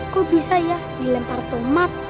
kok bisa ya dilempar tomat